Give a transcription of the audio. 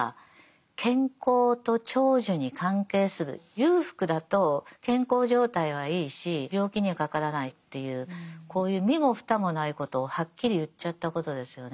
裕福だと健康状態はいいし病気にはかからないっていうこういう身も蓋もないことをはっきり言っちゃったことですよね。